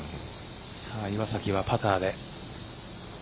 岩崎はパターで。